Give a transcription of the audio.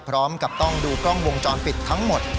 พร้อมกับต้องดูกล้องวงจรปิดทั้งหมด